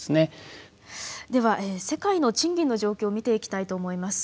では世界の賃金の状況を見ていきたいと思います。